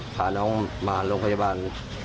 พาน้องมาโรงพยาบาล